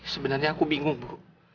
sebenarnya aku bingung ibu